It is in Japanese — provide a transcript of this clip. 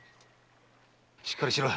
しっかりしろ！